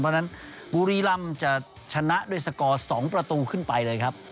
เพราะฉะนั้นบุรีรำจะชนะด้วยสกอร์๒ประตูขึ้นไปเลยครับ